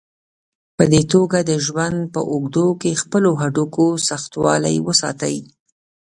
په دې توګه د ژوند په اوږدو کې خپلو هډوکو سختوالی وساتئ.